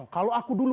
kalau aku dulu